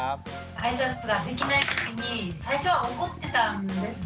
あいさつができないときに最初は怒ってたんですね。